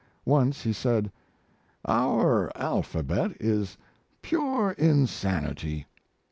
Once he said: "Our alphabet is pure insanity.